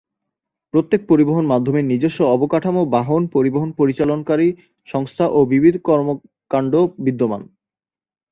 প্রত্যেক পরিবহন মাধ্যমের নিজস্ব অবকাঠামো, বাহন, পরিবহন পরিচালনাকারী সংস্থা ও বিবিধ কর্মকাণ্ড বিদ্যমান।